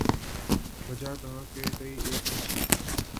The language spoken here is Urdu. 'بجا کہا کہ کئی ایک اچھے